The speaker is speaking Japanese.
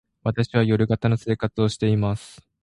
私は夜型の生活をしています。